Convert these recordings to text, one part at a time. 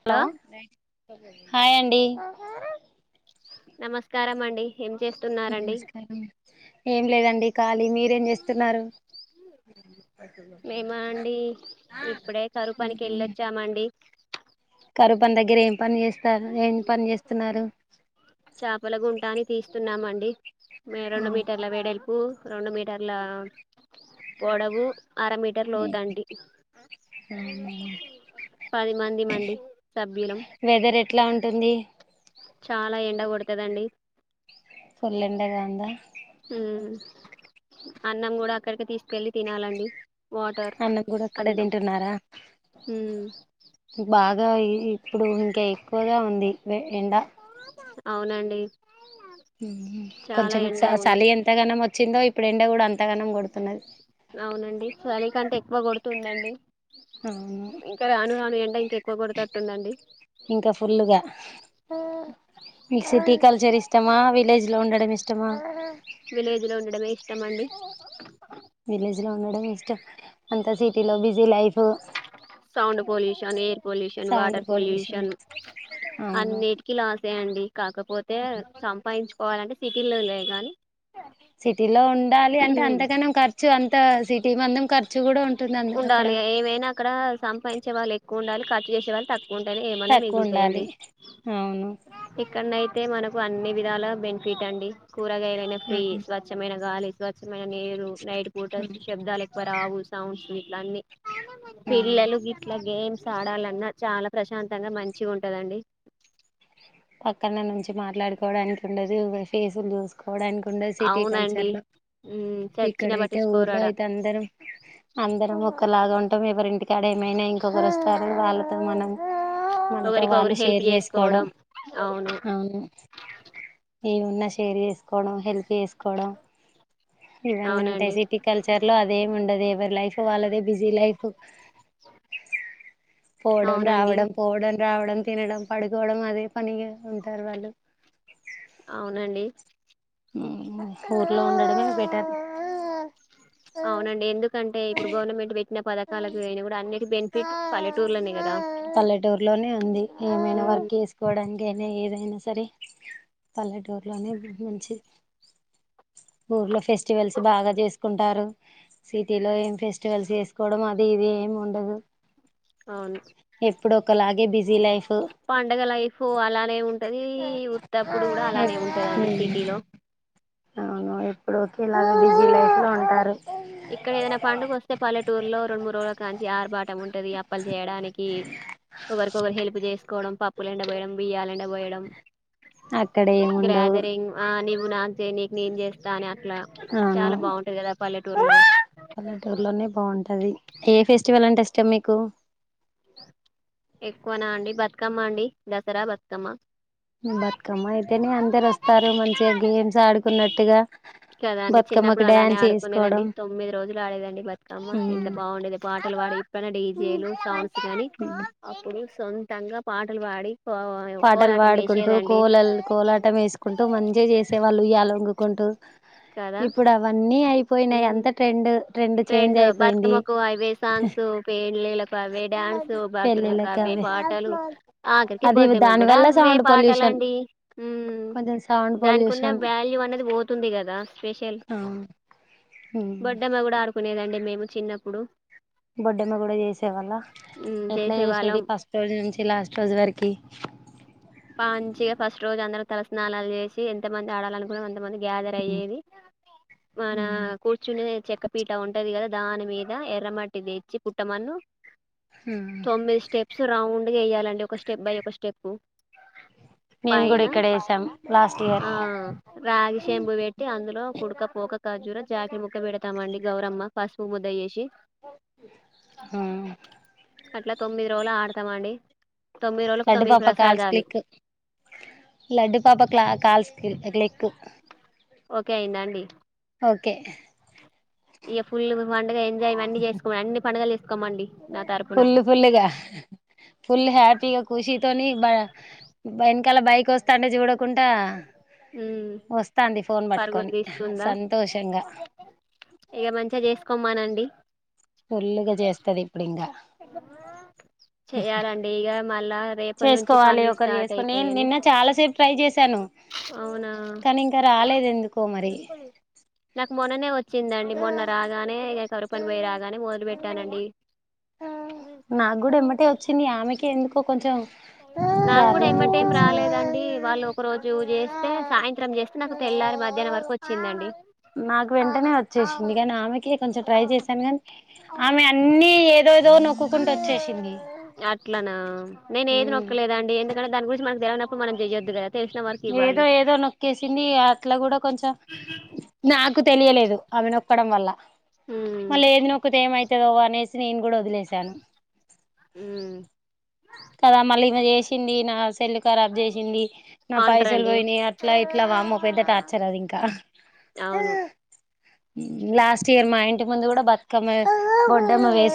Hello hi అండి నమస్కారం అండి ఏం చేస్తున్నారండి ఏం లేదండి ఖాలీ మీరేం చేస్తున్నారు మేమ అండి ఇప్పుడే కరుపానికి వెళ్ళొచ్చామండి కరుపం దగ్గర ఏం పని చేస్తారు ఏం పని చేస్తున్నారు చేపల గుంటా అన్ని తీస్తున్నామండి రెండు మీటర్ల వేడల్పు రెండు మీటర్ల పొడవు అర మీటర్ లోతండి పదిమంది మండి సభ్యులం వెదర్ ఎట్లా అంటుంది చాలా ఎండ కొడతదండి ఫుల్ ఎండగా ఉందా ఉమ్ అన్నం కూడా అక్కడికి తీస్త కెళ్ళి తినాలండి వాటర్ అన్నం కూడా అక్కడే అన్నం తింటున్నారా ఉమ్ బాగా ఇప్పుడు ఇంకా ఎక్కువగా ఉంది ఎండ అవునండి చాలా కొంచెం ఎండ ఉంది చలి ఎంత గనం వచ్చిందో ఇప్పుడు ఎండ కూడా అంతగనం కొడుతున్నది అవునండి చలీ కంటే ఎక్కువ కొడుతుందండి అవును ఇంకా రాను రాను ఎండ ఇంకా ఎక్కువ కొడతట్టు ఉందండి ఇంకా ఫుల్లుగా మీకు సిటీ కల్చర్ ఇష్టమా విలేజ్ లో ఉండడం ఇష్టమా ఇలో ఉండడమే ఇష్టం అండి విలేజ్ లో ఉండడమే ఇష్టం. అంతా సిటీలో busy life. Sound pollution air pollution, water pollution అవును అన్నిటికి లాసే అండి. కాకపోతే సంపాయిచ్చుకొలంటే సిటీల్లో లే గానీ సిటీలో ఉండాలి అంటే అంతకనం ఖర్చు అంత సిటీ మందం ఖర్ ఉండాలి ఏవైనా అక్కడ సంపాదించే వాళ్ళు ఎక్కువ ఉండాలి. ఖర్చు చేసే వాళ్ళు తక్ ఉంటనే ఏమన్నా తక్కువ ఉండాలి మిగుల్తాయండి. అవును ఇక్ కనైతే మనకు అన్ని విధాల బెనిఫిట్ అండి. కూరగాయలైన ఫ్రీ స్వచ్ఛమైన గాలి స్వచ్చమైన నీరు నైట్ పూట షు శబ్దాలు ఎక్కువ రావు. ఇట్ ఇట్లా అన్ని ఆ పిల్లలు గిట్లా గేమ్స్ ఆడాలన్నా చాలా ప్రశాంతంగా మంచుగ్ ఉంటాదండి. పక్కన నుంచి మాట్లాడుకోవడానికి ఉండదు. ఓ ఫేసులు జుస్ కోవడానికి ఉండదు సిటీ అవునండి కల్చర్ లో మ్మ్ చచ్చిన ఇక్కడైతే ఊర్లో పట్టించుకోరాడ అయితే అందరం. అందరం ఒక లాగ్ ఉంటాం. ఎవరి ఇంటికాడ ఏమైనా ఇంకొకరు వస్తారు వాళ్ళతో మనం మనతో ఒకరికొకరు వాళ్ళు హెల్ప్ షేర్ జేసుకోవడం చేసుకోవడం అవును ఏవున్నా షేర్ జేసుకోడం హెల్ప్ ఏసుకోడం. ఇవన్నీ ఉంటాయ్ అవునండి సిటీ కల్చర్ లో అదేమి ఉండదు. ఎవరి లైఫ్ వాళ్ళదే బిజీ లైఫు. పోవడం అవునండి రావడం, పోవడం రావడం, తినడం పడుకోవడం అదేప్ పనిగా ఉంటారు వాళ్ళు అవునండి. హుమ్ ఊర్లో ఉండమే బెటర్ అవునండి. ఎందుకంటే ఇప్పుడు గవర్నమెంట్ బెట్టనా పథకలకు నేను కూడా అన్నిటి బెనిఫిట్ పల్లెటూర్లోనే కదా పల్లెటూరులోనే ఉంది. ఏమైనా మ్మ్ వర్క్ ఏసుకోడానికి గనే ఏదైనా సరే పల్లెటూరులోనే మంచిది. [inaudible] ఊర్లో ఫెస్టివల్స్ బాగా జేసుకుంటారు. సిటీలో ఏం ఫెస్టివల్స్ జేసుకోవడం అది ఇది. ఏముండదు. అవున్ కోలాగే బిజీ లైఫు పండుగ లైఫు అలానే ఉంటది. ఉత్తప్పుడు కూడా అలానే ఉంటదండి సిటీలో. [inaudible] అవును ఎప్పుడు ఒకే లాగా బిజీ లైఫ్ లో ఉంటారు. ఇక్కడ ఏదైనా పండుగొస్తే పల్లెటూరు లో రెండు మూడు రోజుల కాంచి ఆరుబాట ఉన్ టది అప్పలు జేయడానికి హోగర్క్ ఒకరు హెల్ప్ జేసుకోవడం. పప్పులు ఎండ బోయడం, బియ్యాలు ఎండ బోయడం. అక్కడ ఏముండవు గ్రర్యాదరింగ్ ఆ నీవ్ నాగ్ జేయ్ నీక్ నేన్ జేస్తా అని అట్లా అవును చాలా బావుంటది కదా ఆ పల్లెట్ ఏ ఫెస్టివల్ అంటే ఇష్టం మీకు ఎక్కువనండి బతుకమ్మ అండి. దసరా, బతుకమ్మ. ఉ బతుకమ్మ అయితేనే అందరు వస్తరు. మంచిగా గేమ్స్ ఆడుకున్నట్టుగా కాదండి. బతుకమ్మకు చిన్నప్పుడు అలానే డ్యాన్స్ ఆడుకునేదండి, వేసుకోవడం తొమ్మిది రోజులు ఆడేదండి. బతుకమ్మ ఎంత బావుండేది పాటలు వాడిపేనే డీజేలు సాంగ్స్ గానీ అప్పుడు సొంతంగా పాటలు వాడి. పాటలు పాడుకుంటూ కోలల్ కోలాటం ఏసుకుంటూ మంచిగా చేసేవాళ్ళు ఊయల్ కదా ఇప్పుడు అవన్నీ అయిపోయినయ్ ఉమ్ అంత ట్రెండు. ట్రెండ్ బతుకమ్మకు అవే సాంగ్స్, పెండ్లిన్లకు అవే డాన్స్ బర్తుడేలకు పెళ్ళిళ్ళకి అవే ఏ అవి పాటలు ఆఖరికి అది బోర్డడేమాక్ దాని కూడా వల్ల అవే సౌండ్ పొల్యూషన్ పాటాలండి ఉహ్ కొంచెం సౌండ్ దానికున్న పొల్యూషన్ వాల్యూ అనేది వొతుంది గదా. ఆ స్వేషల్ హమ్మ ఆడుకునేదండి మేము చిన్నప్పుడు బొడ్డమ్మ కూడా చేసేవాళ్ళ ఉమ్, ఎట్లా చేసేవాళ్ళం చేసేది ఫస్ట్ రోజు నుంచి లాస్ట్ రోజు వరకి మంచిగా ఫస్ట్ రోజు అందరు తలస్నానాలు చేసి ఎంతమంది ఆడాలనుకున్నారో అంతమంది గ్యాదర్ అయ్యేది మన కూర్చునే చెక్క పీట ఉంటది కదా దాని మీద ఎర్రమట్టి తెచ్చి పుట్టమన్ను తొమ్మిది స్టెప్స్ రౌండ్ గా ఎయ్యాలండి ఒక స్టెప్ బై ఒక స్టెప్ మేము కూడా పైన ఇక్కడేసాం ఆ రాగిశెంబు పెట్టి అందులో కుడకత్ పోక కజ్జూర జాకీ ముక్క పెడతామండి గౌరమ్మ పసుపు ముద్ద చేసి హ్మ్ అట్లా తొమ్మిది రోజులు ఆడతామండి తొమ్మిది రోజులకు తొమ్మిది ప్లస్ కల్స్ క్లిక్ లడ్డు పాప క్ల కల్స్ క్లి క్లిక్ ఓకే అయిందా అండి ఓకే ఇగ ఫుల్‌ గా పండుగ ఎంజాయ్ ఇవన్నీ చేసుకొ అన్ని పండుగలు చేసుకొనిపోండి నా తరపున ఫుల్ ఫుల్గా ఫుల్ హపీగా కుషితోని బ బన్ తల బైక్ వస్తాంటే చూడకుండా ఉమ్, వస్తాంది ఫోన్ పరుగులు పట్టుకొని సంతోషంగా ఇగ మంచిగా చేసుకోమనండి ఫుల్లుగా చేస్తది ఇప్పుడు ఇంగా ఆ రేపటి నుంచి చేసుకోవాలి పనులు ఒకరు స్టార్ట్ చేసుకోని నేను అయితాయని నిన్న చాలాసేపు ట్రై చేశాను ను అవునా కానీ ఇంక రాలేదు ఎందుకో మరి నాకు మొన్ననే వచ్చిందండి మొన్న రాగానే ఇక కరువు పని పోయిరాగానే మొదలు పెట్టానండి నాక్కూడా ఎమ్మటే వచ్చింది ఆమెకే ఎందుక్ నాక్కూడా ఎంబటెం చూపించింది రాలేదండి వాళ్ళు ఒక రోజు చేస్తే సాయంక్ నాకు తెల్లారే మధ్యానం వరకు వచ్చి నాకు వెంటనే వచ్చేసింది కానీ ఆమెకి కొంచెం ట్రై చేశాను కానీ ఆమె అన్ని ఏదోదో నొక్కుకుంటూ వచ్చేసింది అట్లనా నేను ఏది నొక్కలేదండి ఎందుకంటే దాని గురించి మనకు తెలువనప్పుడు మనం చెయొద్దు కదా తెలిసిన వరకు ఇవ్వాలి ఏదో ఏదో నొక్కేసింది అట్లా కూడా కొంచెం నాకు తెలియలేదు ఆమె నొక్ క్కడం వల్ల ఉమ్ మళ్ళీ ఏంది నొక్కితే ఏమైత్ తదో అనేసి నేను కూడా వదిలేశాను ఉమ్ కదా మళ్ళీ ఈమే చేసింది నా సెల్ కరాబ్ చేసింది నా పైసలు అంటారండి పోయినాయ్ అట్లా ఇట్లా వామ్మో పెద్ద టార్చర్ అది ఇంక్ అవును మ్మ్ లాస్ట్ ఇయర్ మా ఇంటి ముందు కూడా బతుకమ్మ గొడ్డమ్మ వేస్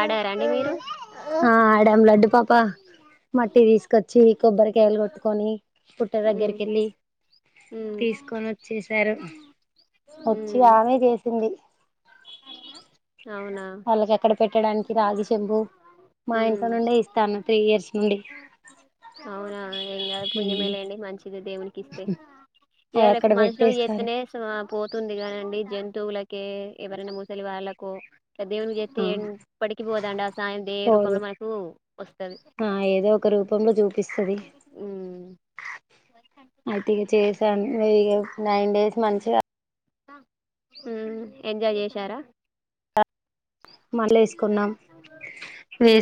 ఆడార అండి మీరు ఆ ఆడాం లడ్డు పాప మట్టి తీసుకొచ్చి కొబ్బరికాయలు కొట్టుకొని పుట్ట ఉమ్ దగ్గరికి ఏళ్ళి ఉమ్ తీసుకొని వచ్చేశారు వచ్చి ఉమ్ ఆమె చేసింది అవునా వాళ్ళకి అక్కడ పెట్టడానికి రాగి చెంబు మా ఇంట్లో ఉమ్ నుండే ఇస్తాను త్రీ ఇయర్స్ నుండి అవునా ఏం కాదు పుణ్యమేలేండి మంచిది దేవుని కిస్తే అవి ఇయ్యాల అక్కడ రేపు మనుషులు పెట్టేస్తారు చేత్తేనే పోతుంది కాని అండి జంతు వులకే ఎవరైనా ముసలి వాళ్ళకో ఇట్లా దేవునికి చేత్తే ఆ ఎప్పటికి పోదండి ఆ సాయం దే పోదు రూపంలో మనకు వస్తది ఆ ఏదో ఒక రూపంలో చూపిస్తది హు అయితే ఇగ చేసాను ఇక నైన్ డేస్ మంచిగా హు ఎంజాయ్ చేశార మళ్లేసుకున్నాం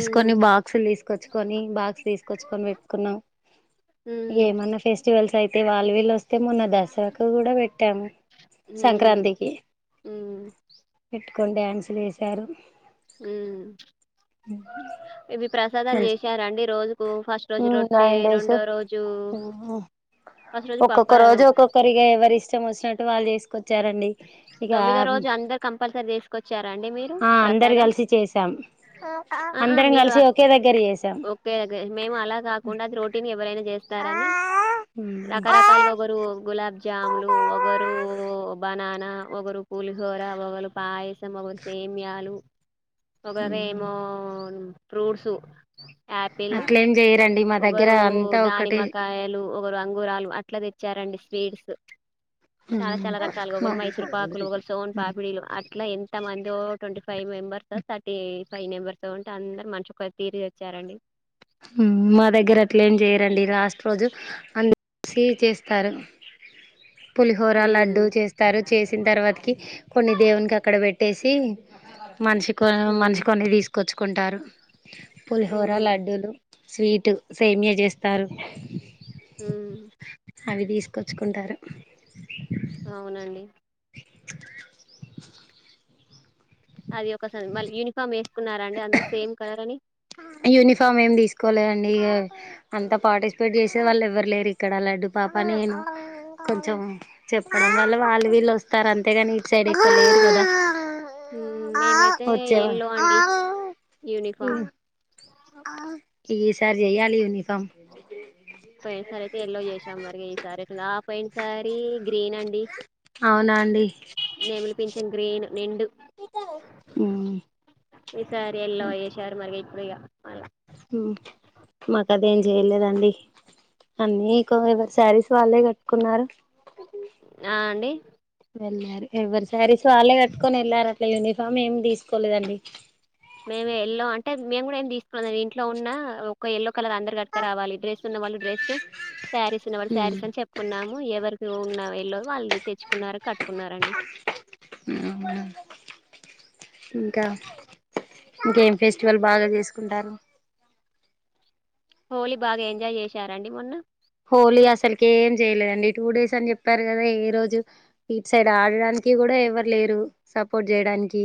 ఉమ్ బాక్స్లు తీసుకొచ్చుకొని బాక్స్ తీసుకొచ్చుకొని పెట్టుకున్నాం ఉమ్ ఏమన్నా ఫెస్టివల్స్ అయితే వా ళ్లు వీళ్ళు వస్తే మొన్న దసరాకు కూడా పెట్టామ్ ఉమ్ సంక్రాంతికి ఉమ్ పెట్టుకొని డ్యాన్సులు ఎశారు హ్మ్ ఇవి ప్రసాదాలు మంచి చేసారండి రో ఫస్ట్ రోజు రొట్టే నైన్ డేస్ రెండో రోజు ఫస్ట్ రోజు ఒక్కొక్క రోజు పప్పాలన్నం ఒక్కొక్కరిగా ఎవరి ఇష్టం వచ్చినట్టు వాళ్ళు చేసు కొచ్చ్చారండి ఇక తొమ్మిదో రోజు అందరు కంపల్సరీ తీసుకొచ్చారా అండి మీరు ఆ అందరు ప్రసాదం కలిసి చేసాం ఆ ఆ అందరం మీరు కలిసి ఒకే దగ్గర చేసాం ఓకే మేము అలా కాకుండా అది రోటీని ఎవరైనా చేస్తారని రకరకాలుగా ఒకరు గులాబ్ జ్యాములు ఒకరు బనానా ఒకరు పులిహోర ఒకరు పాయసం ఒకరు సేమ్యాలు ఒకరేమో ఫ్రూట్స్ యాపిల్ అట్లెం చెయ్యరు ఒకరు దానిమ్మకాయలు ఒకరు అంగురాలు అట్లా తెచ్చారండి స్వీట్స్ చాలా ఉమ్ చాలా రకాలుగా ఒకరు మా మైసూర్ పాకులు ఒకరు సోన్ పాపుడీలు అట్లా ఎంత మందో twenty five members thirty five members తో ఉంటే అందరు మనిషి ఒక తీరిగి వచ్చారండి మా దగ్గర అట్లే ఏం చేయరండి లాస్ట్ రోజు అ స్వీట్ చేస్తారు పులిహోర లడ్డు ఉమ్ చేస్తరు చేసిన తర్వాతకి కొన్ని దేవునికి అక్కడ పెట్టేసి మనిషికో ఉమ్ మనిషికి కొన్ని తీసుకెచ్చుకుంటారు పులిహోర ఉమ్ లడ్డూలు స్వీట్ సేమ్య చేస్తారు హ్మ్ అవి తీసుకొచ్చుకుంటారు అవునండి అది ఒకసారి మళ్ళీ యూనిఫామ్ వేసుకున్నారా అండి అందరు సేమ్ కలర్ అని యూనిఫామ్ ఏమి తీసుకోలేదండి ఇ అంత పార్టిసిపేట్ చేసే వాళ్ళు ఎవ్వరు లేరు ఇక్కడ అలా పాప నేను కొంచెం చెప్పడం వల్ల వాళ్ళు వీళ్ళ ఒ వస్తారు అంతేగాని ఇటు సైడ్ ఇక్కడ లేదు కదా మ్మ్, మేమైతే వచ్చేవా ఎల్లో అండి యూనిఫామ్ ఈసారి చెయ్యాలి యూనిఫార్మ్ పోయిన సారి అయితే ఎల్లో చేసాం మరి ఈ సారి ఇట్ల పోయిన సారి గ్రీన్ అండి అవునా అండి నెమిలిపింఛం గ్రీను నిండు ఈసారి ఎల్లో వేషారు మరి ఇప్పుడు ఇగ మాకు అదేం చేయలేదండి అన్నీ ఇకో ఎవరి శారీస్ వాళ్ళే కట్టుకున్నారు ఆ అండి వెళ్ళారు ఎవ్వరి సారిీస్ వాళ్ళే కట్టుకొని వెళ్ళారు అట్లా యూనిఫామ్ ఏమి తీసుకోలేదండి మేము ఎల్లో అంటే మేము కూడా ఏమి తీసుకోలేదు ఇంట్లో ఉన్న ఒక ఎల్లో కలర్ అందరు కట్టుకరవాలి డ్రెస్ ఉన్న వాళ్ళు డ్రెస్ శారీస్ ఉన్న వాళ్ళు శారీస్ అని చెప్పుకున్నాము ఎవరికి ఎల్లో వాళ్ళు తెచ్చుకున్నారు కట్టుకున్నారండి అవునా ఇంకా ఇంకేం ఫెస్టివల్ బాగా చేసుకుంటారు హోలీ బాగా ఎంజాయ్ చేశారా అండి మొన్న హోలీ అసలుకి ఏం చేయలేదండి టూ డేస్ అని చెప్పారు కదా ఏ రోజు ఇటు సైడ్ ఆడడానికి కూడా కూడా ఎవరు లేరు సపోర్ట్ చేయడానికి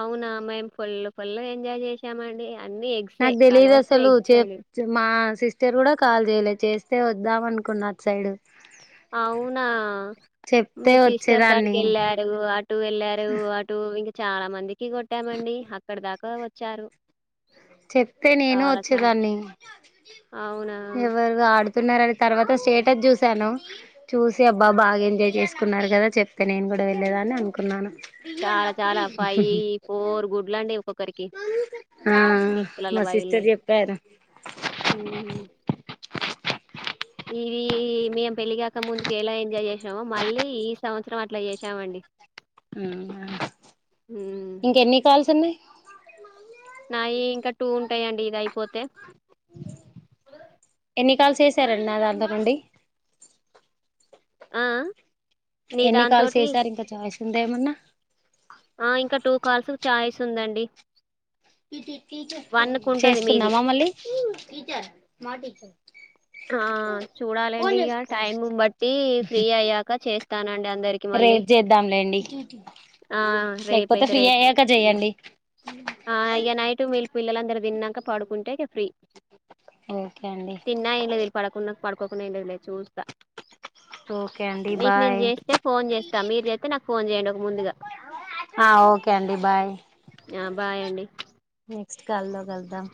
అవునా మేము ఫుల్ ఫుల్ గా ఎంజాయ్ చేసామండి అన్ని ఎగ్సే నాకు తెలీదు కలర్స్ అసలు ఎగ్స్ చెప్ అండి మా సిస్టర్ కూడా కాల్ చేయలేదు చేస్తే వద్దాం అనుకున్న అటు సైడ్ అవునా చెప్తే మీ సిస్టర్ కకి వచ్చేదాన్ని వెళ్ళారు అటు వెళ్ళారు అటు చాలా మందికి కొట్టామండి అక్కడ దాకా వచ్చారు చెప్తే నేను చాలా చాలా వచ్చేదాన్ని అవునా ఎవరుగా ఆడు చేతున్నన్నారుని తర్వాత స్టేటస్ చూశాను చూసి అబ్బా బాగా ఎంజాయ్ చేసుకున్నారు కదా చెప్తే నేను ఇక్కడ వెళ్ళలేదాని అనుకున్నాను చాలా చాలా ఫైవ్ ఫోర్ గుడ్ల అండి ఒక్కొక్కరికి ఆ ఇలలా మా సిస్టర్ పగిలినయ్ చెప్పారు ఇది మేము పెళ్ళగాక ముందుకు ఎలా ఎంజాయ్ చేసామో మళ్ళీ ఈ సంవత్సరం అట్లా చేసామండి ఉమ్ ఇంక ఎన్ని కాల్స్ ఉన్నాయి నాయి ఇంకా టూ ఉంటాయండి ఇది అయిపోతే ఎన్ని కాల్స్ చేశారండి నా దగ్గర నుండి ఆ ఆ నీ ఎన్ని కాల్స్ దాంతోటి చేసారు ఇంకా ఛాయిస్ ఉందా ఏమన్నా ఆ ఇంకా టూ కాల్స్ చాయ్స్ ఉందండి వన్ కు ఉంటది మీది చేసుకుందామా మళ్ళీ ఆ చూడాలండి ఇక టైమ్ బట్టి ఫ్రీ అయ్యాక చేస్తానండి అందరికి మళ్ళీ రేపు చేద్దాంలేండి ఆ రేపు లేకపోతే అయితే ఫ్రీ రేపు అయ్యాక చెయ్యండి ఆ ఇగా నైట్ మల్ పిల్లలందరూ తిన్నాక పడుకుంటే ఫ్రీ ఓకే అండి తిన్నా ఏం లేదు పడకున్నా పడుకోకున్న చూస్తా ఓకే అండి నీకు నేను బాయ్ చేస్తే ఫోన్ చేస్తా మీరు చేస్తతే నాకు ఫోన్ చేయండి ఒక ముందుగా ఆ ఓకే అండి బాయ్ ఆ బాయ్ అండి నెక్స్ట్ కాల్ లో కలుద్దాం